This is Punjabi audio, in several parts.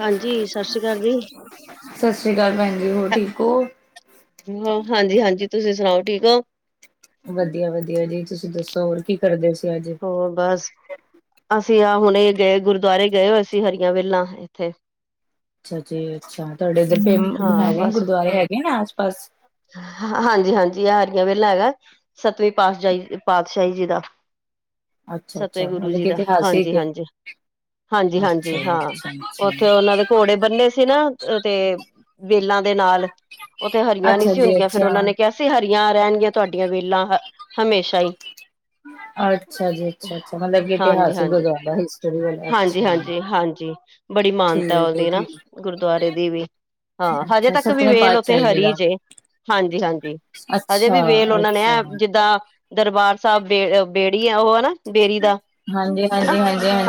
ਹਾਂਜੀ ਸਤਿ ਸ਼੍ਰੀ ਅਕਾਲ ਜੀ। ਸਤਿ ਸ੍ਰੀ ਅਕਾਲ ਭੈਣ ਜੀ ਹੋਰ ਠੀਕ ਹੋ? ਹਾਂਜੀ ਹਾਂਜੀ ਤੁਸੀਂ ਸੁਣਾਓ ਠੀਕ ਹੋ? ਵਧੀਆ ਵਧੀਆ ਜੀ ਤੁਸੀਂ ਦੱਸੋ ਹੋਰ ਕੀ ਕਰਦੇ ਸੀ ਅੱਜ? ਹੋਰ ਬਸ ਅਸੀਂ ਆਹ ਹੁਣੇ ਗਏ ਗੁਰਦੁਆਰੇ ਗਏ ਹੋ ਅਸੀਂ ਹਰੀਆਂ ਵੇਲਾਾਂ ਇੱਥੇ। ਅੱਛਾ ਜੀ ਅੱਛਾ ਤੁਹਾਡੇ ਇਧ ਫੇ ਹਾਂ ਹੈਗੇ ਗੁਰਦੁਆਰੇ ਹੈਗੇ ਨੇ ਆਸ ਪਾਸ। ਹ ਹਾਂਜੀ ਹਾਂਜੀ ਇਹ ਹਰੀਆ ਵੇਲਾਂ ਹੈਗਾ। ਸੱਤਵੀਂ ਪਾਤਸ਼ਾਹੀ ਪਾਤਸ਼ਾਹੀ ਜੀ ਦਾ। ਸਤਵੇਂ ਅੱਛਾ-ਅੱਛਾ ਗੁਰੂ ਮਤਲਬ ਜੀ ਕਿ ਦਾ ਹਾਂਜੀ ਇਤਿਹਾਸਿਕ ਹੈ। ਹਾਂਜੀ। ਹਾਂਜੀ ਹਾਂਜੀ ਅੱਛਾ ਜੀ ਹਾਂ ਅੱਛਾ-ਅੱਛਾ। ਉੱਥੇ ਉਹਨਾਂ ਦੇ ਘੋੜੇ ਬੰਨੇ ਸੀ ਨਾ ਤੇ ਵੇਲਾਂ ਦੇ ਨਾਲ ਉਥੇ ਅੱਛਾ ਹਰੀਆਂ ਨਹੀਂ ਅੱਛਾ ਸੀ ਜੀ ਹੁੰਦੀਆਂ ਫੇਿਰ ਅੱਛਾ। ਉਹਨਾਂ ਨੇ ਕਿ ਆ ਸੀਂ ਹਰੀਆਂ ਰਹਿਣਗੀਆਂ ਤੁਹਾਡੀਆਂ ਵੇਲਾਂ ਹਮੇਸ਼ਾ ਹੀ। ਅੱਛਾ ਜੀ ਅੱਛਾ-ਅੱਛਾ ਮਤਲਬ ਕਿ ਹਾਂਜੀ ਇਤਿਹਾਸਿਕ ਹਾਂਜੀ ਗੁਰਦੁਆਰਾ ਹਿਸਟਰੀ ਵਾਲਾ ਹਾਂਜੀ ਅੱਛਾ। ਹਾਂਜੀ ਹਾਂਜੀ। ਬੜੀ ਮਾਨਤਾ ਠੀਕ ਹੈ ਉਹਦੀ ਨਾ ਠੀਕ ਗੁਰਦੁਆਰੇ ਦੀ ਵੀ। ਹਾਂ ਹੈ। ਹਜੇ ਅੱਛਾ ਤੱਕ ਵੀ ਸੱਤਵੇਂ ਵਲ ਉੱਥੇ ਪਾਤਸ਼ਾਹੀ ਜੀ ਹਰੀ ਦਾ ਜੇ। ਹਾਂਜੀ ਹਾਂਜੀ ਹਜੇ ਵੀ ਵੇਲ ਉਹਨਾਂ ਨੇ ਅੱਛਾ-ਅੱਛਾ। ਹੈ ਜਿੱਦਾਂ ਦਰਬਾਰ ਸਾਹਿਬ ਬੇ ਬੇੜੀ ਆ ਉਹ ਹਨਾ ਬੇਰੀ ਦਾ ਹਾਂਜੀ-ਹਾਂਜੀ, ਹਨਾ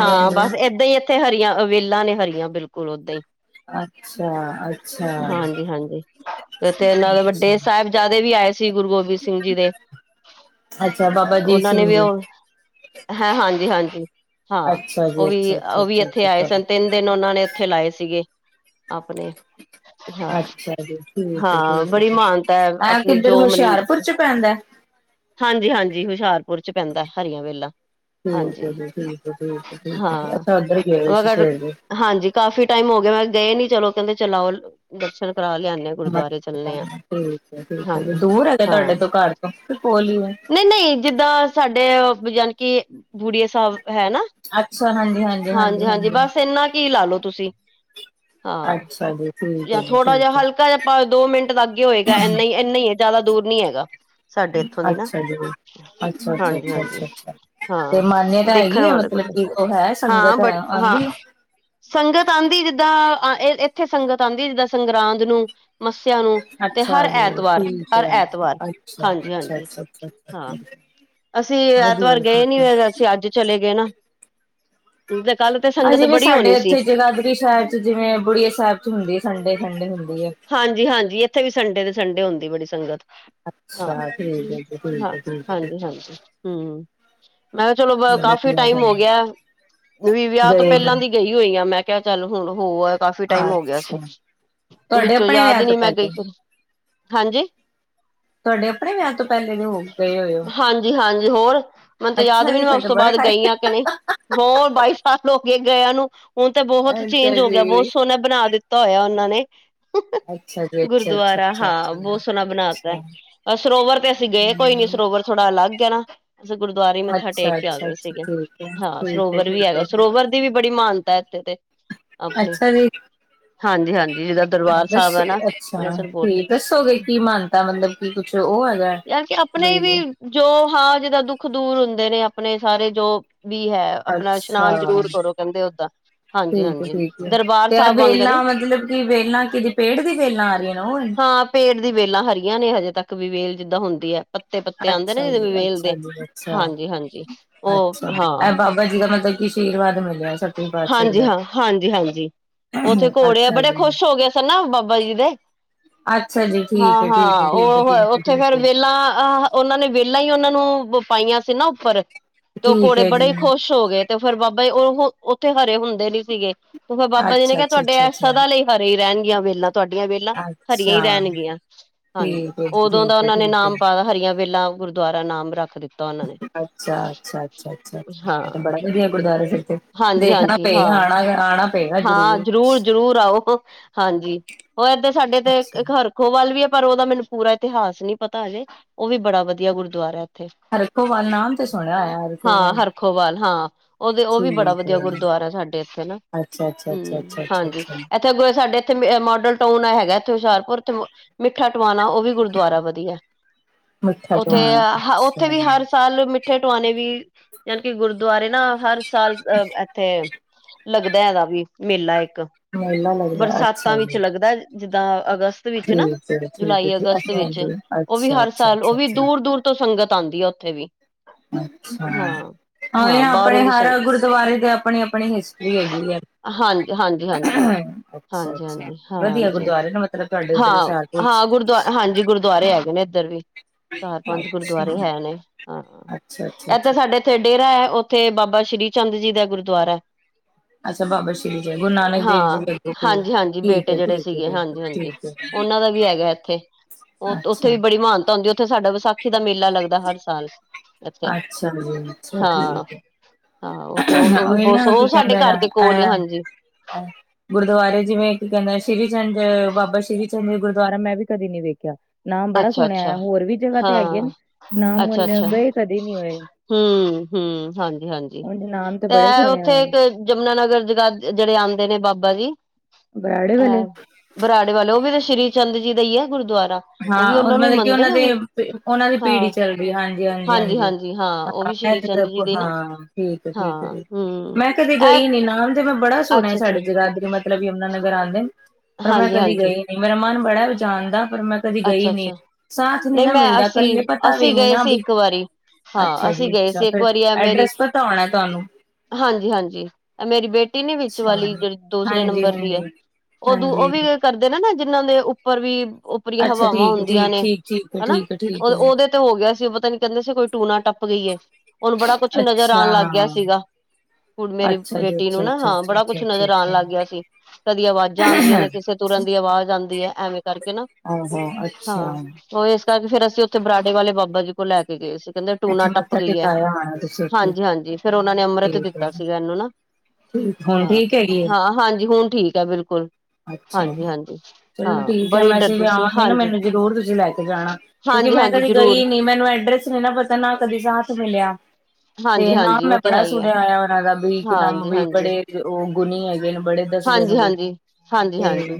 ਹਾਂ ਬਸ ਹਾਂਜੀ ਏਦਾਂ ਹੀ ਉਥੇ ਹਰੀਆਂ ਅਵੇਲਾਂ ਨੇ ਹਰੀਆਂ ਬਿਲਕੁਲ ਓਦਾਂ ਹੀ। ਅੱਛਾ-ਅੱਛਾ। ਅੱਛਾ ਹਾਂਜੀ ਹਾਂਜੀ ਇਥੇ ਇਹਨਾਂ ਦੇ ਅੱਛਾ ਵੱਡੇ ਫੇਰ ਅੱਛਾ ਸਾਹਿਬਜ਼ਾਦੇ ਵੀ ਆਏ ਸੀ ਗੁਰੂ ਗੋਬਿੰਦ ਸਿੰਘ ਜੀ ਦੇ ਅੱਛਾ ਬਾਬਾ ਅਜੀਤ ਉਹਨਾਂ ਨੇ ਸਿੰਘ ਵੀ ਜੀ ਉਹ ਹੈ ਹਾਂਜੀ ਹਾਂਜੀ ਹਾਂ ਅੱਛਾ ਜੀ ਉਹ ਵੀ ਅੱਛਾ ਅੱਛਾ ਉਹ ਵੀ ਅੱਛਾ ਇੱਥੇ ਅੱਛਾ ਆਏ ਸਨ ਅੱਛਾ ਤਿੰਨ ਦਿਨ ਉਹਨਾਂ ਨੇ ਉੱਥੇ ਲਾਏ ਸੀਗੇ ਆਪਣੇ ਹਾਂ ਅੱਛਾ ਜੀ ਠੀਕ ਹੈ ਠੀਕ ਹਾਂ ਹੈ ਬੇ ਬੜੀ ਠੀਕ ਮਹਾਨਤਾ ਹੈ ਐ ਆਪਣੀ ਕਿੱਧਰ ਜੋ ਮਨ ਹੁਸ਼ਿਆਰਪੁਰ ਚ ਪੈਂਦਾ ਹਾਂਜੀ ਹਾਂਜੀ ਹੁਸ਼ਿਆਰਪੁਰ ਚ ਪੈਂਦਾ ਹਰੀਆਂ ਵੇਲਾ ਠੀਕ ਹਾਂਜੀ ਹੈ ਜੀ ਠੀਕ ਠੀਕ ਠੀਕ ਹਾਂ ਅਛਾ ਉੱਧਰ ਹੀ ਗਏ ਸੀ ਮਗਰ ਸਵੇਰ ਦੇ। ਹਾਂਜੀ ਕਾਫ਼ੀ ਟਾਈਮ ਹੋ ਗਿਆ ਮੈਂ ਗਏ ਨੀ ਚਲੋ ਕਹਿੰਦੇ ਚਲਾਓ ਦਰਸ਼ਨ ਕਰਾ ਲਿਆਦੇ ਹਾਂ। ਠੀਕ ਹੈ ਗੁਰਦੁਆਰੇ ਚੱਲਣੇ ਆ। ਹਾਂਜੀ [unintelligible] ਦੂਰ ਹੈਗੇ ਹਾਂ ਤੂਆਡੇ ਤੋ ਘਾਰ ਤੋਂ, ਕੇ ਕੋਲ ਈ ਐ? ਨਹੀਂ ਨਹੀਂ ਜਿੱਦਾਂ ਸਾਡੇ ਯਾਨੀ ਕੀ ਬੁੜੀਏ ਸ੍ਹਾਬ ਹੈ ਨਾ। ਹਾਂਜੀ, ਹਾਂਜੀ ਬਾੱਸ ਏਨਾ ਕੀ ਲਾਲੋ ਤੂਸੀ। ਹਾਂ, ਅੱਛਾ ਜੀ ਠੀਕ ਹੈ ਯਾ ਜੀ ਥੋੜਾ ਜਾ ਠੀਕ ਹੈ ਹਲਕ ਤਏ ਅਪਾਂ ਦੋ ਮਿੰਟ ਲਾਗੇ ਹੋਏਗਾ ਏਨਾ, ਏਨਾ ਈ ਏ, ਜਾਦਾ ਦੂਰ ਨੀ ਹੈਗਾ। ਸਾਡੇ ਇੱਥੋਂ ਦੀ ਨਾ ਅੱਛਾ ਜੀ ਅੱਛਾ ਅੱਛਾ ਹਾਂਜੀ, ਅੱਛਾ ਹਾਂਜੀ। ਅੱਛਾ ਅੱਛਾ ਤੇ ਹਾਂ, ਮਾਨਿਅਤਾ ਦੇਖਨ ਹੈਗੀ ਹੈ ਵਾਲਾ ਮਤਲਬ ਕਿ [unintelligible] ਉਹ ਹੈ ਹਾਂ ਸੰਗਤ ਹੈ ਬਟ ਹਾਂ। ਆਉਂਦੀ ਹੈ? ਸੰਗਤ ਆਂਦੀ ਜਿੱਦਾਂ, ਏ-ਏਥੇ ਸੰਗਤ ਆਂਦੀ ਜਿੱਦਾਂ ਸੰਗਰਾਂਦ ਨੂੰ ਮੱਸੇਆ ਨੂੰ। ਤੇ ਅੱਛਾ ਹਰ ਜੀ ਐਤਵਾਰ, ਠੀਕ ਹਰ ਹੈ ਐਤਵਾਰ ਅੱਛਾ ਹਾਂਜੀ, ਅੱਛਾ ਹਾਂਜੀ ਅੱਛਾ ਅੱਛਾ ਅੱਛਾ ਹਾਂ। ਅਸੀ ਵਧੀਆ ਐਤਵਾਰ ਗਏ ਠੀਕ ਨੀ ਹੋਏ, ਅਸੀ ਆੱਜ ਚਲੇ ਗਏ ਨਾ। ਤੇ ਕੱਲ ਤੇ ਸੰਗਤ ਅਜੇ ਵੀ ਬੜੀ ਹੋਣੀ ਸਾਡੇ ਸੀ ਇਥੇ ਜਗਾਧਰੀ ਸਾ਼ਏਦ ਜਿਵੇਂ ਬੁੜੀਐ ਸੈਬ ਚ ਹੁੰਦੀ ਏ ਸੰਡੇ-ਸੰਡੇ ਹੁੰ ਹਾਂਜੀ, ਹਾਂਜੀ ਏਥੇ ਵੀ ਸੰਡੇ ਦੇ ਸੰਡੇ ਹੁੰਦੀ ਬੜੀ ਸੰਗਤ। ਹਾਂ, ਅੱਛਾ ਠੀਕ ਹੈ ਜੀ ਠੀਕ ਹੈ ਠੀਕ ਹਾਂ, ਹੈ ਠੀਕ ਹੈ, ਹਾਂਜੀ, ਹਾਂਜੀ, ਹੂੰ। ਮੈਂ ਕੇਆ ਚਲੋ ਬ ਕਾਫੀ ਵਧੀਆ ਟਾਈਮ ਗੱਲ ਹੋ ਹੈ। ਗੇਐ। ਫਿਰ ਵੀ ਵੇਆਹ ਤੋਂ ਗਏ ਪੈਲਾਂ ਨੇ ਦੀ ਗਈ ਹੋਈ ਆਂ, ਮੈਂ ਕੇਆ ਚੱਲ ਹੁਨ ਹੋ ਆ, ਕਾਫ਼ੀ ਟਾਈਮ ਹੋ ਗੇਆ ਸੀ। ਅੱਛਾ ਤੁਹਾਡੇ ਵਿੱਚੋਂ ਆਪਣੇ ਯਾਦ ਵਿਆਹ ਈ ਤੋਂ ਨੀ ਮੈਂ ਗਈ ਪਹਿਲੇ ਕਦੋਂ, ਹਾਂਜੀ। ਤੁਹਾਡੇ ਆਪਣੇ ਵਿਆਹ ਤੋਂ ਪਹਿਲੇ ਦੇ ਹੋ ਗਏ ਹੋਏ ਹੋ ਹਾਂਜੀ, ਹਾਂਜੀ ਹੋਰ ਮੈਨ ਤੇ ਯਾਦ ਅੱਛਾ ਵੀ ਜੀ ਨੀ ਵੋ ਫਿਰ ਉਸ ਤਾਂ ਤੋਂ ਬੜਾ ਬਾਦ ਗਈ ਟਾਈਮ ਆਂ ਕੇ ਨਹੀ। ਹੋਰ ਬਾਈ ਸਾਲ ਹੋਗੇ ਗਏਆਂ ਨੂੰ, ਹੁਨ ਤੇ ਬੋਹਤ ਅੱਛਾ ਚੇਂਜ ਹੋ ਗੇਆ, ਬੋਤ ਜੀ ਸੋਨਾ ਬਨਾ ਦਿੱਤ ਤਾ ਹੋਏਆ ਓਨਾਂ ਨੇ, [unintelligible] ਅੱਛਾ ਜੀ ਅੱਛਾ ਅੱਛਾ ਗੁਰਦੁਆਰਾ ਅੱਛਾ ਹਾਂ, ਅੱਛਾ ਬੋਤ ਸੋਨਾ ਬਨਾ ਤੇ। ਅੱਛਾ ਸਰੋਵਰ ਤੇ ਅਸੀ ਗੇ ਕੋਈ ਨੀ, ਹਮ ਸਰੋਵਰ ਥੋੜਾ ਅਲਗ ਐ ਨਾ। ਅਸੀ ਗੁਰਦੁਆਰੇ ਮੱਥਾ ਟੇਕ ਅੱਛਾ ਕੇ ਆ ਅੱਛਾ ਗਏ ਅੱਛਾ ਸੀਗੇ, ਠੀਕ ਹੈ ਹਾਂ ਠੀਕ ਹੈ ਸਰੋਵਰ ਵੀ ਹੈਗਾ, ਠੀਕ ਸਰੋਵਰ ਦੀ ਵੀ ਬੜੀ ਮਾਨ [unintelligible] ਅੱਛਾ, ਜੀ। ਹਾਂਜੀ, ਹਾਂਜੀ ਇਦਾ ਦ ਦੱਸੋ ਅੱਛਾ ਠੀਕ, ਦੱਸੋਗੇ ਕੀ ਮਾਨਤਾ ਮਤਲਬ ਕੀ ਕੁੱਛ ਓ ਹੈਗੈ? ਤੇ ਅਪਨੇ ਵੀ ਜੋ ਹਾਂ ਜਿਦਾ ਦੁੱਖ ਦੂਰ ਹੁੰਦੇ ਨੇ ਅਪਣੇ ਸਾਰੇ ਜੋ ਵੀ ਹੈ ਅਪਨਾ ਅੱਛਾ ਇਸ਼ਨਾਨ ਜਰੂਰ ਕਰੋ ਕੈਂਦੇ ਓਦਾਂ। ਹਾਂਜੀ ਠੀਕ ਏ, ਹਾਂਜੀ ਠੀਕ ਏ ਦਰਬਾਰ ਤੇ ਐ ਸਾਹਿਬ ਵਾਂਗ ਵੇਲਾਂ ਨੀ ਮਤਲਬ ਕਿ ਵੇਲਾਂ ਕਿਦੀ ਪੇੜ ਦੀ ਵੇਲਾਂ ਆ ਰਈਆਂ ਨ ਓ ਏ? ਹਾਂ ਪੇੜ ਦੀ ਵੇਲਾਂ ਹਰੀਆਂ ਨੇ ਹਜੇ ਤੱਕ ਵੀ ਵੇਲ ਜਿੱਦਾਂ ਹੁੰਦੀ ਐ। ਪੱਤੇ-ਪੱਤੇ ਆਂਦੇ ਨੇ ਅੱਛਾ ਜੀ ਜਿਦੇ ਅੱਛਾ ਵੇਲਦੇ ਜੀ ਅੱਛਾ ਹਾਂਜੀ, ਹਾਂਜੀ ਓ ਅੱਛਾ ਹਾਂ। ਇਹ ਬਾਬਾ ਜੀ ਦਾ ਮਤਲਬ ਕਿ ਆਸ਼ੀਰਵਾਦ ਮਿਲਿਆ ਸੱਤਵੇਂ ਪਾਤਸ਼ਾਹ ਜੀ ਹਾਂਜੀ, ਦਾ ਹਾਂ, ਹਾਂਜੀ, ਹਾਂਜੀ ਓਥੇ ਘੋੜੇ ਅੱਛਾ ਬੜੇ ਜੀ ਖੁਸ਼ ਹੋਗੇ। [unintelligible] ਬਾਬਾ ਜੀ ਦੇ। ਅੱਛਾ, ਜੀ। ਠੀਕ ਹਾਂ, ਹੈ ਠੀਕ ਹੈ ਹਾਂ ਠੀਕ ਓ ਹੈ ਠੀਕ ਹੈ ਉਥੇ ਠੀਕ ਫੇਰ ਹੈ ਵੇਲਾਂ ਅ ਹਂ ਓਨਾਂ ਨੇ ਵੇਲਾਂ ਈ ਓਨਾ ਨੂੰ ਪਾਈਆਂ ਸੀ ਨਾ ਉਪਰ, ਤੇ ਓ ਠੀਕ ਘੋੜੇ ਹੈ ਬੜੇ ਜੀ ਈ ਖੁਸ਼ ਖੁਸ਼ ਹੋ ਗਏ ਤੇ ਫੇਰ ਬਾਬਾ ਈ, ਓ ਉਥੇ ਹਰੇ ਹੁੰਦੇ ਨੀ ਸੀਗੇ ਓ ਬਾਬਾ ਜੀ ਨੇ ਅੱਛਾ ਕੇਆ ਅੱਛਾ ਤੂਆਡੇ ਅੱਛਾ ਏ ਅੱਛਾ ਸਦਾ ਲਈ ਹਰੇ ਈ ਰੈਨ ਗੀਆਂ ਵੇਲਾਂ, ਤੂਆਡੀਆਂ ਵੇਲਾਂ। ਹਰੀਆਂ ਹੀ ਅੱਛਾ, ਰੈਣਗੀਆਂ, ਹਾਂਜੀ, ਠੀਕ ਏ ਉਦੋਂ ਜੀ, ਦਾ ਠੀਕ ਏ, ਓਨਾਂ ਨੇ ਠੀਕ ਏ। ਨਾਮ ਪਾ ਤਾ, ਹਰੀਆਂ ਵੇਲਾਂ ਗੁਰਦੁਆਰਾ ਨਾਮ ਰੱਖ ਦਿੱਤਾ ਉਹਨਾਂ ਨੇ। ਅੱਛਾ, ਅੱਛਾ, ਅੱਛਾ, ਅੱਛਾ ਹਾਂ ਐ ਤੇ ਬੜਾ ਵਦੀਆ ਗੁਰਦੁਆਰਾ ਫੇਰ ਤੇ। ਹਾਂਜੀ, ਦੇਖਣਾ ਹਾਂਜੀ, ਪਏਗਾ, ਹਾਂ, ਆਣਾ, ਆਣਾ ਪਏਗਾ ਹਾਂ ਜ਼ਰੂਰ। ਜਰੂਰ, ਜਰੂਰ ਆਓ। ਹਾਂਜੀ, ਓ ਏਦੇ ਸਾਡੇ ਤੇ ਅੱਛਾ, ਇੱਕ ਖਰਖੋ ਵੱਲ ਵੀ ਪਰ ਓਦਾ ਮੈਨੂੰ ਪੂਰਾ ਇਤਿਹਾਸ ਨੀ ਪਤਾ ਹਜੇ, ਓ ਵੀ ਬੜਾ ਵਦੀਆ ਗੁਰਦੁਆਰੈ। ਹਰਖੋਵਾਲ ਨਾਮ ਤੇ ਸੁਣਿਆ ਹੋਇਆ ਹਾਂ, ਹਰਖੋਵਾਲ, ਹਰਖੋਵਾਲ ਹਾਂ, ਓਦੇ ਓ ਵੀ ਬੜਾ ਠੀਕ ਵਦੀਆ ਏ। ਗੁਰਦੁਆਰਾ ਐ ਸਾਡੇ ਇਥੇ ਨਾ ਅੱਛਾ, ਅੱਛਾ, ਅੱਛਾ, ਹੂੰ, ਅੱਛਾ, ਅੱਛਾ, ਹਾਂਜੀ ਅੱਛਾ ਐਥੇ ਸਾਡੇ ਐਥੇ ਮੋਡਲ ਟਾਊਨ ਆ ਹੈਗੈ। ਐਥੇ ਹੁਸ਼ਿਆਰਪੁਰ ਤੇ ਮਿੱਠਾ ਟਵਾਨਾ, ਓ ਵੀ ਗੁਰਦੁਆਰਾ ਵਦੀਐ। ਮਿੱਠਾ ਉਥੇ ਦਵਾਣਾ ਅ ਉਥੇ ਵੀ ਅੱਛਾ। ਹਰ ਸਾਲ ਮਿੱਠੇ ਟੁਆਨੇ ਵੀ ਜਲ ਕਿ ਗੁਰਦੁਆਰੇ ਨਾ ਹਰ ਸਾਲ ਅ ਐਥੇ, ਲੱਗਦੈ ਐਦਾ ਵੀ ਮੇਲਾ ਏਕ। ਮੇਲਾ ਲੱਗਦਾ ਬਰਸਾਤਾਂ ਅੱਛਾ ਵਿੱਚ ਜੀ। ਲੱਗਦਾ ਜਿੱਦਾਂ ਅਗਸਤ ਵਿੱਚ ਨਾ ਠੀਕ ਏ, ਠੀਕ ਏ ਜੁਲਾਈ, ਜੀ, ਅਗਸਤ ਅੱਛਾ, ਵਿੱਚ ਜੀ ਉਹ ਵੀ ਅੱਛਾ, ਹਰ ਅੱਛਾ, ਸਾਲ ਉਹ ਅੱਛਾ। ਵੀ ਅੱਛਾ। ਦੂਰ-ਦੂਰ ਤੋਂ ਸੰਗਤ ਆਉਂਦੀ ਆ ਉੱਥੇ ਵੀ। ਅੱਛਾ ਹਾਂ ਹਾਂ ਇਹ ਬਾਹਰੋਂ ਆਪਣੇ ਦੀ ਹਰ ਸੰਗ ਗੁਰਦੁਆਰੇ ਦੀ ਆਪਣੀ-ਆਪਣੀ ਹਿਸਟਰੀ ਹੈਗੀ ਹੈ। ਹਾਂਜ ਹਾਂਜੀ-ਹਾਂਜੀ, ਹਾਂਜੀ ਅੱਛਾ ਹਾਂਜੀ, ਵਧੀਆ ਹਾਂਜੀ। ਗੁਰਦੁਆਰੇ ਨੇ ਮਤਲਬ ਤੁਹਾਡੇ ਉੱਧਰ ਹਾਂ, ਹੁਸ਼ਿਆਰਪੁਰ ਚ ਹਾਂ ਗੁਰਦੁਆ ਹਾਂਜੀ ਗੁਰਦੁਆਰੇ ਹੈਗੇ ਨੇ। ਇਧਰ ਵੀ ਚਾਰ, ਪੰਜ ਅੱਛਾ ਗੁਰਦੁਆਰੇ ਹੈ ਨੇ ਹਾਂ ਅੱਛਾ ਅੱਛਾ ਇੱਥੇ ਅੱਛਾ ਸਾਡੇ ਉਥੇ ਡੇਰਾ ਹੈ ਉੱਥੇ ਬਾਬਾ ਸ੍ਰੀ ਚੰਦ ਜੀ ਦਾ ਗੁਰਦਆਰਾ। ਅੱਛਾ, ਬਾਬਾ ਸ਼੍ਰੀ ਜੀ ਗੁਰੂ ਨਾਨਕ ਦੇਵ ਜੀ ਹਾਂ ਦੇ ਅੱਗੋਂ ਪਏ ਹਾਂਜੀ-ਹਾਂਜੀ ਠੀਕ ਬੇਟੇ ਹੈ ਜਿਹੜੇ ਠੀਕ ਹੈ ਸੀਗੇ ਠੀਕ ਹਾਂਜੀ। ਜੀ ਹੈ ਹਾਂਜੀ ਠੀਕ ਹੈ ਉਹਨਾਂ ਦਾ ਵੀ ਹੈਗਾ ਇੱਥੇ ਉਹ ਉੱਥੇ ਅੱਛਾ ਵੀ ਬੜੀ ਮਹਾਨਤਾ ਹੁੰਦੀ ਉ ਥੇ ਸਾਡਾ ਵਿਸਾਖੀ ਦਾ ਮੇਲਾ ਲੱਗਦਾ ਹਰ ਸਾਲ। ਇੱਥੇ ਅੱਛਾ ਜੀ [unintelligible] ਹਾਂ ਠੀਕ ਹੈ। ਹਾਂ ਉਹ ਤੇ ਉਹ ਉਹ ਵੀ ਉਹੀ ਬਹੁਤ ਨਾ ਉਹ ਕੀ ਸਾਡੇ ਕਹਿੰਦੇ ਨੇ ਘਰ ਦੇ ਕੋਲ ਹੀ ਹਾਂਜੀ ਐ-ਐ। ਗੁਰਦੁਆਰੇ ਜਿਵੇਂ ਕੀ ਕਹਿੰਦੇ ਨੇ ਸ਼੍ਰੀ ਚੰਦ ਬਾਬਾ ਸ਼੍ਰੀ ਚੰਦ ਗੁਰਦੁਆਰਾ ਮੈਂ ਵੀ ਕਦੇ ਨੀ ਵੇਖਿਆ। ਨਾਮ ਬੜਾ ਅੱਛਾ ਅੱਛਾ ਸੁਣਿਆ ਹੋਰ ਵੀ ਜਗ੍ਹਾ ਤੇ ਹੈਗੇ ਹਾਂ ਨੇ ਨਾਮ ਅੱਛਾ ਅੱਛਾ ਗਏ ਨਹੀਂ ਹੋਏ ਹਮ ਹਮ ਹਾਂਜੀ ਹਾਂਜੀ ਉਹ ਨਾਮ ਤੇ ਬੜੇ ਸੁਣੇ ਉੱਥੇ ਹੋਏ। ਇੱਕ ਯਮੁਨਾ ਨਗਰ ਜਗਾ ਜਿਹੜੇ ਆਉਂਦੇ ਨੇ ਬਾਬਾ ਜੀ ਬਰਾੜੇ ਵਾਲੇ ਅਹ ਬਰਾੜੇ ਵਾਲੇ ਉਹ ਵੀ ਤਾਂ ਸ੍ਰੀ ਚੰਦ ਜੀ ਦਾ ਹੀ ਹੈ ਗੁਰਦੁਆਰਾ। ਵੀ ਹਾਂ ਉਹ ਉਹਨਾਂ ਨੂੰ ਹੀ ਮਤਲਬ ਕਿ ਮੰਨਦੇ ਉਹਨਾਂ ਨੇ ਉਹ ਵੀ ਦੇ ਉਹਨਾਂ ਦੀ ਹਾਂ ਪੀੜੀ ਚੱਲ ਗਈ ਹਾਂਜੀ-ਹਾਂਜੀ, ਹਾਂਜੀ ਹਾਂ। ਉਹ ਵੀ ਹਾਂ ਸ਼੍ਰੀ ਚੰਦ ਜੀ ਦੇ ਨਾ ਠੀਕ ਹਾਂ ਏ-ਠੀਕ ਏ, ਠੀਕ ਹਮ ਮੈਂ ਕਦੇ ਇਹ ਗਈ ਨੀ ਨਾਮ ਤੇ ਮੈਂ ਬੜਾ ਸੁਣਿਆ ਅੱਛਾ ਅੱਛਾ ਸਾਡੇ ਜਗਾਦਰੀ ਮਤਲਬ ਯਮੁਨਾ ਨਗਰ ਆਉਂਦੇ ਨੇ ਪਰ ਮੈਂ ਹਾਂਜੀ ਕਦੀ ਹਾਂਜੀ ਗਈ ਨੀ ਮੇਰਾ ਮਨ ਬੜਾ ਜਾਣ ਦਾ ਪਰ ਮੈਂ ਕਦੀ ਗਈ ਅੱਛਾ ਨੀ ਅੱਛਾ ਸਾਥ ਨਹੀਂ ਨਾ ਮੈਂ ਮਿਲਦਾ ਅਸੀਂ ਕੱਲੇ ਪਤਾ ਵੀ ਅਸੀਂ ਨੀ ਗਏ ਨਾ। ਸੀ ਇੱਕ ਵਾਰੀ ਹਾਂ ਅੱਛਾ ਅਸੀਂ ਜੀ ਗਏ ਅੱਛਾ ਸੀ ਇੱਕ ਫਿਰ ਐਡਰੈਸ ਪਤਾ ਹੋਣਾ ਤੁਹਾਨੂੰ। ਹਾਂਜੀ-ਹਾਂਜੀ ਮੇਰੀ ਬੇਟੀ ਨੀ ਵਿੱਚ ਅੱਛਾ ਵਾਲੀ ਜਿਹੜੀ ਦੂਸਰੇ ਹਾਂਜੀ ਨੰਬਰ ਦੀ ਹੈ ਹਾਂਜੀ ਉਦ ਉਹ ਹਾਂਜੀ ਵੀ ਕਰਦੇ ਨੇ ਨਾ ਜਿਹਨਾਂ ਦੇ ਉੱਪਰ ਵੀ ਉੱਪਰੀਆਂ ਅੱਛਾ ਹਵਾਵਾਂ ਠੀਕ ਹੁੰਦੀਆਂ ਠੀਕ ਨੇ ਠੀਕ ਠੀਕ ਹੈ ਹਨਾ ਠੀਕ ਹੈ ਠੀਕ ਉਹ ਹੈ ਉਹਦੇ ਤੇ ਹੋ ਗਿਆ ਸੀ ਉਹ ਪਤਾ ਨੀ ਕਹਿੰਦੇ ਸੀ ਕੋਈ ਟੂਣਾ ਟੱਪ ਗਈ ਏ ਉਹਨੂੰ ਬੜਾ ਕੁਛ ਨਜ਼ਰ ਆਣ ਲੱਗ ਗਿਆ ਅੱਛਾ ਸੀਗਾ। ਹੁਣ ਮੇਰੀ ਅੱਛਾ ਜੀ ਬੇਟੀ ਨੂੰ ਅੱਛਾ ਨਾ ਅੱਛਾ ਹਾਂ ਅੱਛਾ ਬੜਾ ਅੱਛਾ ਕੁਛ ਅੱਛਾ ਨਜ਼ਰ ਆਣ ਲੱਗ ਗਿਆ ਅੱਛਾ ਸੀ। ਕਦੀ ਆਵਾਜ਼ਾਂ ਆਉਂਦੀਆਂ ਨੇ ਕਿਸੇ ਤੁਰਨ ਦੀ ਆਵਾਜ਼ ਆਉਂਦੀ ਹੈ ਐਵੇਂ ਕਰਕੇ ਹਾਂ-ਹਾਂ ਅੱਛਾ। ਹਾਂ ਉਹ ਇਸ ਕਰਕੇ ਫੇਰ ਅਸੀਂ ਉੱਥੇ ਬਰਾਡੇ ਵਾਲੇ ਬਾਬਾ ਜੀ ਕੋਲ ਲੈ ਕੇ ਗਏ ਸੀ। ਕਹਿੰਦੇ ਟੂਨਾ ਅੱਛਾ ਟੱਪ ਮੱਥਾ ਗਈ ਹੈ, ਟੇਕਾਇਆ ਆਣਾ ਤੁਸੀਂ ਉੱਥੇ ਹਾਂਜੀ-ਹਾਂਜੀ। ਫੇਰ ਉਹਨਾ ਨੇ ਅੰਮ੍ਰਿਤ ਠੀਕ ਹੈ ਦਿੱਤਾ ਸੀਗਾ ਇਹਨੂੰ ਨਾ ਠੀਕ ਹੁਣ ਹਾਂ, ਠੀਕ ਹੈਗੀ ਹੈ ਹਾਂ ਹਾਂਜੀ ਹੁਣ ਠੀਕ ਹੈ ਬਿਲ ਕੁਲ ਅੱਛਾ ਹਾਂਜੀ ਹਾਂਜੀ ਹਾਂ ਬੜੀ ਡਰ ਆਵਾਗੀ ਨਾ ਮੈਨੂੰ ਜਰੂਰ ਤੁਸੀਂ ਲੈ ਕੇ ਜਾਣਾ ਕਿਉਂਕਿ ਹਾਂਜੀ ਮੈਂ ਹਾਂਜੀ ਕਦੇ ਜ਼ਰੂਰ ਗਈ ਨੀ ਮੈਨੂੰ ਐਡਰੈਸ ਨੀ ਨਾ ਪ ਨਾ ਕਦੀ ਸਾਥ ਮਿਲਿਆ। ਹਾਂ ਤੇ ਨਾਮ ਮੈਂ ਬੜਾ ਸੁਣਿਆ ਹੋਇਆ ਉਹਨਾਂ ਦਾ ਵੀ ਨਾਮ ਹਾਂਜੀ ਵੀ ਹਾਂਜੀ ਬੜੇ ਉਹ ਗੁਨੀ ਹੈਗੇ ਨੇ ਬੜੇ ਦੱਸਦੇ ਨੇ ਬਈ। ਹਾਂਜੀ-ਹਾਂਜੀ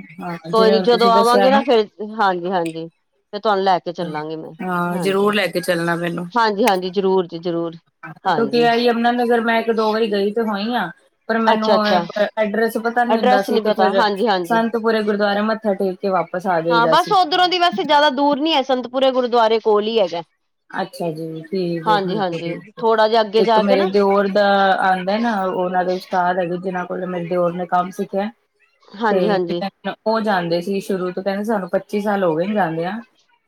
ਕੋਈ ਨੀ ਜਦੋਂ ਤੁਸੀਂ ਦੱਸਿਆ ਆਵਾਂਗੇ ਨਾ ਫਿਰ ਹਾਂਜੀ-ਹਾਂਜੀ। ਫੇਰ ਤੁਹਾਨੂੰ ਲੈ ਕੇ ਚੱਲਾਂਗੇ ਮੈਂ ਹਾਂ ਜ਼ਰੂਰ ਲੈ ਕੇ ਚੱਲਣਾ ਮੈਨੂੰ ਹਾਂਜੀ-ਹਾਂਜੀ ਹਾਂਜੀ ਜ਼ਰੂਰ ਜੀ ਜ਼ਰੂਰ। ਕਿਉਂਕਿ ਹਾਂਜੀ ਇਹ ਯਮੁਨਾ ਨਗਰ ਮੈਂ ਇਕ ਦੋ ਵਾਰੀ ਮੈਂ ਇੱਕ ਦੋ ਵਾਰੀ ਗਈ ਤੇ ਹੋਈ ਆਂ। ਪਰ ਮੈਨੂੰ ਅੱਛਾ ਅੱਛਾ ਐਡਰਸ ਪਤਾ ਨੀ ਹੁੰਦਾ ਅਡਰੈਸ ਸੀ ਤੇ ਪਤਾ ਫਿਰ ਹਾਂਜੀ ਹਾਂਜੀ ਸੰਤਪੁਰ ਗੁਰਦੁਆਰੇ ਮੱਥਾ ਟੇਕ ਕੇ ਵਾਪਸ ਆ ਹਾਂ ਜਾਈਦਾ ਬਸ ਸੀ ਉੱਧਰੋਂ ਦੀ ਵੈਸੇ ਜਾਦਾ ਦੂਰ ਨੀ ਹੈ ਸੰਤਪੁਰੇ ਗੁਰਦੁਆਰੇ ਕੋਲ ਹੀ ਹੈਗਾ। ਅੱਛਾ ਜੀ ਠੀਕ ਹਾਂਜੀ ਹੈ-ਠੀਕ ਹੈ, ਹਾਂਜੀ ਠੀਕ ਹੈ ਥੋੜਾ ਜਿਹਾ ਅੱਗੇ ਇੱਕ ਜਾ ਕੇ ਮੇਰੇ ਨਾ ਦਿਓਰ ਦਾ ਨਾ ਉਹ ਉਹਨਾਂ ਦੇ ਉਸਤਾਦ ਹੈਗੇ ਜਿਹਨਾਂ ਕੋਲ ਮੇਰੇ ਦਿਓਰ ਨੇ ਕੰਮ ਸਿੱਖਿਆ ਹਾਂਜੀ ਤੇ ਹਾਂਜੀ ਉਹ ਜਾਂਦੇ ਸੀ ਸ਼ੁਰੂ ਤੋਂ ਕਹਿੰਦੇ ਸਾਨੂੰ ਪੱਚੀ ਸਾਲ ਹੋ ਗਏ ਜਾਂਦੀਆ।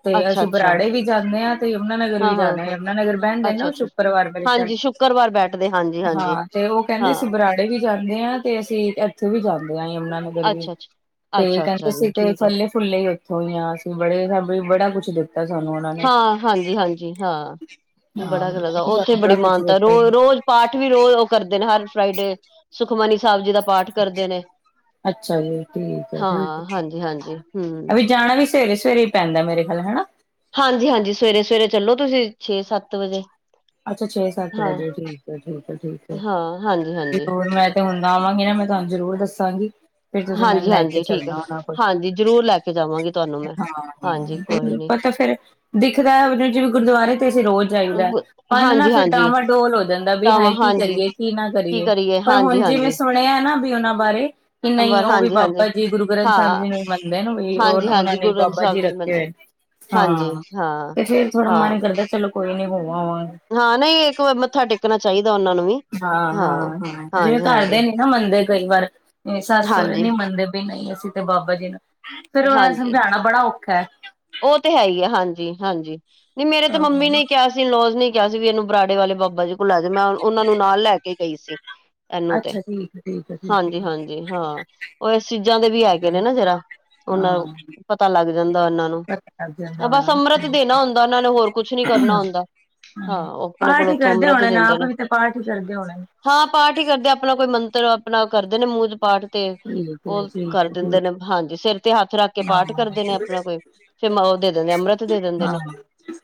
ਤੇ ਅੱਛਾ ਅਸੀਂ ਅੱਛਾ ਬਰਾੜੇ ਵੀ ਜਾਨੇ ਹਾ। ਯਮੁਨਾ ਨਗਰ ਵੀ ਹਾਂ ਹਾਂ ਜਾਨਾ ਏ, ਹਾਂ ਯਮੁਨਾ ਨਗਰ ਬੇਂਦੇ ਏ ਨੇ ਅੱਛਾ ਉਹ ਅੱਛਾ ਸ਼ੁੱਕਰਵਾਰ ਬ ਚੱਲ, ਹਾਂਜੀ ਸ਼ੁੱਕਰਵਾਰ ਬੈਠਦੇ ਹਾਂਜੀ ਹਾਂਜੀ ਹਾਂ ਤੇ ਉਹ ਕਹਿੰਦੇ ਹਾਂ ਅਸੀਂ ਬਰਾੜੇ ਵੀ ਜਾਂਦੇ ਹਾਂ, ਤੇ ਅਸੀਂ ਇੱਥੋਂ ਵੀ ਜਾਂਦੇ ਹਾ ਯਮੁਨਾ ਨਗਰ ਅੱਛਾ ਅੱਛਾ ਤੇ ਅੱਛਾ ਕਹਿੰਦੇ ਅੱਛਾ ਸੀ ਜੀ ਤੇ [unintelligible] ਠੀਕ ਹੈ ਫੁੱਲੇ ਹੀ ਉੱਥੋਂ ਹੀ ਆ ਅਸੀਂ, ਬੜੇ ਸ ਬੜਾ ਕੁਛ ਦਿੱਤਾ ਸਾਨੂੰ ਉਹਨਾਂ ਨੇ। ਹਾਂਜੀ-ਹਾਂਜੀ, ਹਾਂ, ਬੜਾ ਆਹੋ ਕੁ ਲੱਦਾ, ਕਹਿੰਦੇ ਉੱਥੇ ਸਾਨੂੰ ਬੜਾ ਬੜੀ ਕੁਛ ਮਾਨਤਾ ਦਿੱਤਾ ਸੀ। ਰੋਜ਼-ਰੋਜ਼। ਪਾਠ ਵੀ ਰੋਜ਼ ਉਹ ਕਰਦੇ ਨੇ ਹਰ ਫਰਾਈਡੇ, ਸੁਖਮਨੀ ਸਾਹਿਬ ਜੀ ਦਾ ਪਾਠ ਕਰਦੇ ਨੇ। ਅੱਛਾ ਜੀ, ਠੀਕ ਏ, ਹਾਂ ਠੀਕ ਏ, ਹਾਂਜੀ ਹਾਂਜੀ ਹਮ ਐ ਵੀ ਜਾਣਾ ਵੀ ਸਵੇਰੇ ਸਵੇਰੇ। ਪੈਂਦਾ ਮੇਰੇ ਖਿਆਲ ਹੇਨਾ? ਹਾਂਜੀ-ਹਾਂਜੀ ਸਵੇਰੇ-ਸਵੇਰੇ ਚੱਲੋ ਤੁਸੀਂ ਛੇ-ਸੱਤ ਵਜੇ। ਅੱਛਾ, ਛੇੱ ਸਤ ਹਾਂ ਵਜੇ ਠੀਕ ਏ, ਠੀਕ ਏ, ਠੀਕ। ਹੈ। ਹਾਂ, ਹਾਂਜੀ-ਹਾਂਜੀ। ਜ਼ਰੂਰ ਮੈਂ ਤੇ ਹੁੰਨ ਆਵਾਂਗੀ ਨਾ ਮੈਂ ਤੁਹਾਨੂੰ ਜ਼ਰੂਰ ਦੱਸਾਂਗੀ, ਫੇਰ ਤੁਸੀਂ ਮੈਨੂੰ ਹਾਂਜੀ ਲੈ ਕੇ ਹਾਂਜੀ ਠੀਕ ਹੈ ਚੱਲਣਾ ਹੋਣਾ ਕੋਲ। ਹਾਂਜੀ, ਜ਼ਰੂਰ ਲੈ ਕੇ ਜਾਵਾਂ। ਹਾਂ, ਪਤਾ ਫੇਰ ਦਿਖਦਾ ਜਿਵੇਂ ਗੁਰਦੁਆਰੇ ਤੇ ਅਸੀਂ ਰੋਜ਼ ਜਾਈਦਾ, ਮੰਨ ਨਾ ਹਾਂਜੀ ਫੇਰ ਹਾਂਜੀ ਡਾਂਵਾ ਡੋਲ ਹੋ ਜਾਂਦਾ ਵੀ ਤਾਂਵਾਂ ਹਾਏ ਕੀ ਹਾਂਜੀ ਕਰੀਏ? ਕੀ ਨਾ ਕੀ ਕਰੀਏ? ਪਰ ਹਾਂਜੀ ਹੁਣ ਜਿਵੇਂ ਹਾਂਜੀ ਸੁਣਿਯਾ ਨਾ ਵੀ ਉਹਨਾਂ ਬਾਰੇ ਕਿ ਨਹੀਂ ਅੰਬਰ ਉਹ ਵੀ ਹਾਂਜੀ ਹਾਂਜੀ ਬਾਬਾ ਜੀ ਗੁਰੂ ਗ੍ਰੰਥ ਸਾਹਿਬ ਹਾਂ ਜੀ ਨੂੰ ਈ ਮੰਨਦੇ ਨੇ ਵੀ ਔਰ। ਹਾਂਜੀ ਉਹਨਾਂ ਹਾਂਜੀ ਨੇ ਗੁਰੂ ਗ੍ਰੰਥ ਬਾਬਾ ਸਾਹਿਬ ਜੀ ਨੂੰ ਰੱਖੇ ਹੋਏ ਮੰਦਰ ਨੇ। ਹਾਂਜੀ ਹਾਂ, ਹਾਂ ਤੇ ਫੇਰ ਥੋੜਾ ਹਾਂ ਮਨ ਕਰਦਾ ਚਲੋ। ਕੋਈ ਨੀ ਹੋ ਆਂਵਾਂਗੇ। ਹਾਂ ਨਹੀਂ ਇੱਕ ਵਾਰੀ ਮੱਥਾ ਟੇਕਣਾ ਚਾਹੀਦਾ ਉਹਨਾਂ ਨੂੰ ਵੀ। ਹਾਂ ਹਾਂ ਹਾਂ ਜਿਵੇਂ ਹਾਂਜੀ ਤੁਹਾਡੇ ਹਾਂਜੀ ਨੇ ਨਹੀ ਨਾ ਮੰਨਦੇ ਕਈ ਵਾਰ। ਮੇਰੇ ਸੱਸ ਸੋਰੇ ਹਾਂਜੀ ਨੀ ਮੰਨਦੇ ਬਈ ਨਹੀ ਅਸੀਂ ਤੇ ਬਾਬਾ ਜੀ ਨੂੰ ਫੇਰ ਉਨਾ ਨੂੰ ਹਾਂਜੀ ਸਮਝਾਣਾ ਬੜਾ ਔਖਾ। ਉਹ ਤੇ ਹੈ ਈ ਏ ਹਾਂਜੀ-ਹਾਂਜੀ ਨਹੀਂ ਮੇਰੇ ਤੇ ਮੰਮੀ ਨੇ ਹੈ ਕਿਹਾ ਸੀ ਇਨ ਲਾਜ਼ ਨੇ ਹੀ ਕਿਹਾ ਸੀ ਵੀ ਇਹਨੂੰ ਬਰਾੜੇ ਵਾਲੇ ਬਾਬਾ ਜੀ ਕੋੁਲ ਲੈਜੋ। ਮੈਂ ਉਹਨਾ ਨੂੰ ਨਾਲ ਲੈ ਕੇ ਗਈ ਸੀ। ਏਨੂੰ ਤੇ ਅੱਛਾ ਠੀਕ ਠੀਕ ਹੈ ਠੀਕ ਹੈ ਹਾਂਜੀ-ਹਾਂਜੀ। ਹਾਂ, ਉਹ ਇਸ ਚੀਜ਼ਾਂ ਦੇ ਵੀ ਹੈਗੇ ਨੇ ਨਾ ਜਰਾ ਉਹਨਾਂ ਹਾਂ ਪਤਾ ਲੱਗ ਜਾਂਦਾ ਉਹਨਾਂ ਨੂੰ। ਬਸ ਅੰਮ੍ਰਿਤ ਦੇਣਾ ਹੁੰਦਾ ਉਹਨਾਂ ਨੇ ਹੋਰ ਕੁਛ ਨੀ ਕਰਨਾ ਹੁੰਦਾ [unintelligible] ਹਾਂ ਉਹ ਆਪਣੇ ਪਾਠ ਕੋਲ ਹੀ ਉੱਥੋਂ ਕਰਦੇ ਅੰਮ੍ਰਿਤ ਹੋਣਾ ਨੇ, ਦਿੰਦੇ ਆਪ ਵੀ ਤੇ ਪਾਠ ਹੀ ਕਰਦੇ ਹੋਣਾ ਨੇ। ਹਾਂ ਪਾਠ ਹੀ ਕਰਦੇ, ਆਪਣਾ ਕੋਈ ਮੰਤਰ ਆਪਣਾ ਕਰਦੇ ਨੇ ਮੂੰਹ ਚ ਪਾਠ। ਤੇ ਠੀਕ ਹੈ ਉਹ ਠੀਕ ਕਰ ਹੈ ਦਿੰਦੇ ਠੀਕ ਨੇ, ਹਾਂਜੀ। ਸੇਰ ਤੇ ਹੱਥ ਰੱਖ ਕੇ ਹਾਂ ਪਾਠ ਹਾਂ ਕਰਦੇ ਨੇ ਆਪਣਾ ਕੋਈ ਤੇ ਮ ਉਹ ਦੇ ਦਿੰਦੇ ਅੰਮ੍ਰਿਤ ਦੇ ਦਿੰਦੇ ਨੇ,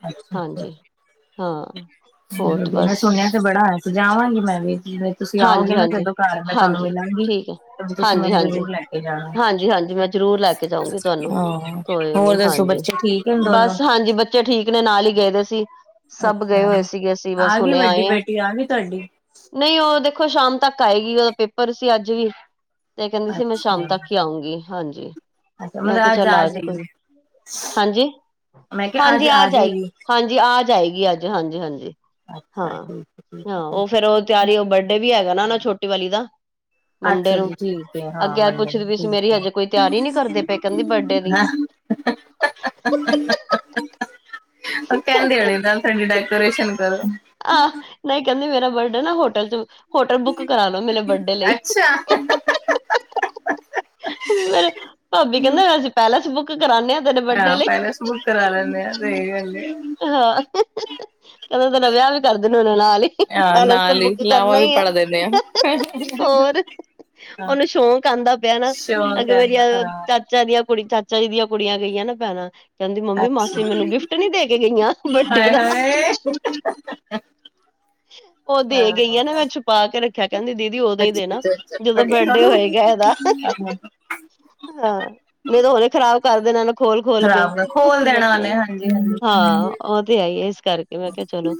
ਅੱਛਾ ਅੱਛਾ ਹਾਂਜੀ। ਹਾਂ, ਹੋ ਤੇ ਮੈਂ ਬਸ। ਸੁਣਿਆ ਤੇ ਬੜਾ ਹੈ ਜਾਵਾਂਗੀ ਮੈਂ ਵੀ, ਜਿਵੇਂ ਤੁਸੀਂ ਆਓਗੇ ਹਾਂਜੀ ਨਾ ਹਾਂਜੀ ਜਦੋਂ ਘਰ ਮੈਂ ਤੁਹਾਨੂੰ ਹਾਂਜੀ ਮਿਲਾਂਗੀ। ਠੀਕ ਹੈ ਫੇਰ ਤੁਸੀਂ ਹਾਂਜੀ ਮੈਨੂੰ ਹਾਂਜੀ ਜ਼ਰੂਰ ਲੈ ਕੇ ਜਾਣਾ, ਹਾਂਜੀ ਹਾਂਜੀ ਮੈਂ ਜ਼ਰੂਰ ਲੈ ਕੇ ਜਾਊਂਗੀ ਤੁਹਾਨੂੰ ਹਾਂ। ਕੋਈ ਹੋਰ ਨੀ ਦੱਸੋ ਹਾਂਜੀ ਬੱਚੇ ਠੀਕ ਨ ਦੋਨੋ? ਬਸ ਹਾਂਜੀ ਬੱਚੇ ਠੀਕ ਨੇ, ਨਾਲ ਹੀ ਗਏਦੇ ਸੀ। ਸਭ ਗਏ ਅੱਛਾ ਹੋਏ ਸੀਗੇ, ਅਸੀਂ ਬਸ ਆ ਗਈ ਹੁਣੇ ਵੱਡੀ ਆਏ ਹਾਂ। ਬੇਟੀ ਆ ਗਈ ਤੁਹਾਡੀ ਨਹੀਂ ਉਹ ਦੇਖੋ ਸ਼ਾਮ ਤੱਕ ਆਏਗੀ ਉਹਦਾ ਪੇਪਰ ਸੀ ਅੱਜ ਵੀ। ਤੇ ਕੇਂਦੀ ਸੀ ਮੈਂ ਸ਼ਾਮ ਅੱਛਾ ਤੱਕ ਹੀ ਆਊਂਗੀ ਹਾਂਜੀ। ਅੱਛਾ ਮੈਂ ਮਤਲਬ ਕਿਹਾ ਅੱਜ ਚੱਲ ਆ ਜਾਈਂ ਕੋਈ ਜਾਏਗੀ ਹਾਂਜੀ, ਮੈਂ ਕਿਹਾ ਹਾਂਜੀ ਅੱਜ ਆ ਜਾਈ ਜਾਏਗੀ ਹਾਂਜੀ ਆ ਜਾਏਗੀ ਅੱਜ ਹਾਂਜੀ-ਹਾਂਜੀ, ਅੱਛਾ ਠੀਕ ਠੀਕ ਹਾਂ-ਹਾਂ ਠੀਕ ਉਹ ਫੇਰ ਉਹ ਤਿਆਰੀ ਉਹ ਵੱ ਡੇ ਵੀ ਹੈਗਾ ਨਾ ਓਨਾ ਛੋਟੀ ਵਾਲੀ ਦਾ। ਮੰਡੇ ਅੱਛਾ ਨੂੰ, ਜੀ ਠੀਕ ਹੈ ਹਾਂ ਅੱਗੇ ਅੱਜ ਮੰਡੇ ਨੂੰ ਪੁੱਛਦੀ ਪਈ ਸੀ ਠੀਕ ਮੇਰੀ ਹੈ ਹਜੇ ਕੋਈ ਤਿਆਰੀ ਨਹੀਂ ਕਰਦੇ ਪਏ ਕਹਿੰਦੀ ਬਰਡੇ ਦੀ? [unintelligible] ਉਹ ਕਹਿੰਦੀ ਹੋਣੀ ਨਾਲ ਥੋੜੀ ਡੈਕੋਰੇਸ਼ਨ ਕਰੋ। ਆਹ! ਨਹੀਂ ਕਹਿੰਦੀ ਮੇਰਾ ਬਰਡੇ ਨਾ ਹੋਟਲ ਚ' ਹੋਟਲ ਬੁੱਕ ਕਰਾ ਲੋ ਮੇਰੇ ਬਰਡੇ ਲਈ। ਅੱਛਾ ਫੇਰ, ਭਾਬੀ ਕਹਿੰਦੇ ਅਸੀਂ ਪੈਲਸ ਬੁੱਕ ਕਰਾਂਦੇ ਹਾਂ। ਅੱਛਾ, ਪੈਲਸ ਬੁੱਕ ਕਰਾ ਲੈਨੇਆ। ਸਹੀ ਕੇਂਦੀ ਹਾਂ। ਕਹਿੰਦੇ ਤਨ ਵਿਆਹ ਵੀ ਕਰ ਦੇਨ ਉਹਨਾਂ ਨਾਲ ਹੀ ਹਾਂ ਪੈਲੇਸ ਤੇ ਨਾਲ ਹੀ ਬੁੱਕ ਲਾਵਾਂ ਕਰਨਾ ਵੀ ਹੀ ਆ। ਪੜ ਹੋਰ [unintelligible] ਹਾਂ ਉਹਨੂੰ ਸ਼ੌਂਕ ਆਉਂਦਾ ਪਿਆ ਨਾ ਸ਼ੋਰ ਅਗ ਕਰਨਾ ਮੇਰੀਆਂ ਹਾਂ ਚਾਚਾ ਦੀਆਂ ਕੁੜ ਚਾਚ ਚਾਚਾ ਦੀਆਂ ਕੁੜੀਆਂ ਗਈਆਂ ਨਾ ਭੈਣ ਕਹਿੰਦੀ ਮੰਮੀ ਮਾਸੀ ਅੱਛਾ ਮੈਨੂੰ ਗਿਫਟ ਨੀ ਦੇ ਕੇ ਗਈਆਂ ਵੱਡੇ ਹਾਏ ਦਾ। ਹਾਏ ਉਹ ਹਾਂ ਦੇ ਗਈਆਂ ਨਾ ਮੈਂ ਛੁਪਾ ਕੇ ਰੱਖਿਆ ਕਹਿੰਦੀ ਦੀਦੀ ਉਦੋਂ ਹੀ ਅੱਛਾ ਦੇਣਾ। ਅੱਛਾ ਜਦੋਂ ਅੱਛਾ ਵੈਡੇ ਹੋਏਗਾ ਇਹਦਾ ਹਾਂ ਨਹੀਂ ਤਾਂ ਹਣੇ ਖ਼ਰਾਬ ਕਰ ਦੇਣਾ [unintelligible] ਖੋਲ-ਖੋਲ ਕੇ ਖਰਾਬ ਨਾ ਖੋਲ ਦੇਣਾ ਬੱਚਿਆ ਉਹਨੇ ਨੇ। ਹਾਂਜੀ ਹਾਂਜੀ ਹਾਂ ਉਹ ਤੇ ਆਈ ਹੈ ਇਸ ਕਰਕੇ ਮੈਂ ਕਿਹਾ ਚਲੋ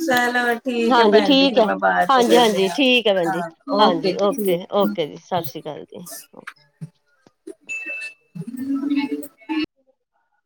ਠੀਕ ਹੈ ਹਾਂਜੀ ਭੈਣ ਜੀ ਠੀਕ ਫਿਰ ਹੈ। ਮੈਂ ਬਾਅਦ ਚ ਕਰਦੇ ਹਾਂਜੀ-ਹਾਂਜੀ ਆ ਠੀਕ ਹੈ ਭੈਣ ਜ ਹਾਂ ਓਕੇ ਹਾਂਜੀ ਜੀ ਓਕੇ-ਓਕੇ ਜੀ ਸਸ ਸੀ ਕਾਲ ਜੀ। ਹ।